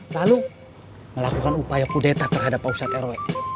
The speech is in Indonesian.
lalu melakukan upaya kudeta terhadap pusat rw